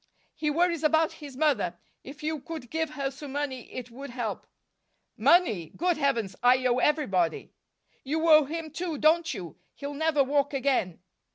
"He worries about his mother. If you could give her some money, it would help." "Money! Good Heavens I owe everybody." "You owe him too, don't you? He'll never walk again."